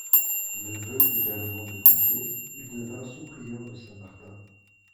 Neveu également de Gautier, il devint sous-prieur de Saint-Martin.